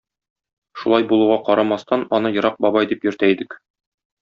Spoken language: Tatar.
Шулай булуга карамастан, аны ерак бабай дип йөртә идек.